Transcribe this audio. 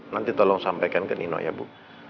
nanti tolong sampaikan ke nino ya bu